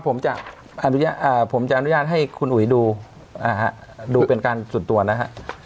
ผมจะอนุญาตอ่าผมจะอนุญาตให้คุณอุ๋ยดูอ่าฮะดูเป็นการสุดตัวนะฮะ